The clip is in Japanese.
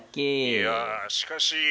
「いやしかし」。